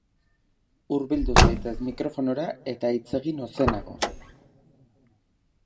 Hurbil zaitez mikrofonora eta hitz egin ozenago.